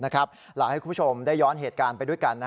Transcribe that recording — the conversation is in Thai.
อยากให้คุณผู้ชมได้ย้อนเหตุการณ์ไปด้วยกัน